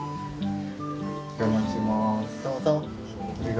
お邪魔します。